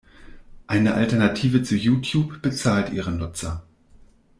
Eine Alternative zu YouTube bezahlt Ihre Nutzer.